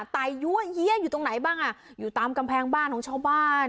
ไตยั่วเยี้ยอยู่ตรงไหนบ้างอ่ะอยู่ตามกำแพงบ้านของชาวบ้าน